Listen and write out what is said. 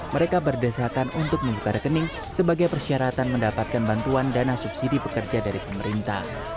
mereka berdesakan untuk membuka rekening sebagai persyaratan mendapatkan bantuan dana subsidi pekerja dari pemerintah